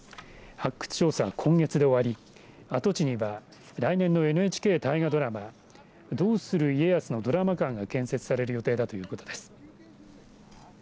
発掘調査は今月で終わり跡地には来年のＮＨＫ大河ドラマどうする家康のドラマ館が建設される予定だということです。